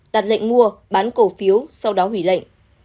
đặt lệnh mua bán cổ phiếu sau đó hủy lệnh